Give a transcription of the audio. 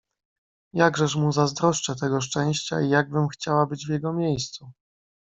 "Jakżeż mu zazdroszczę tego szczęścia i jakbym chciała być w jego miejscu!"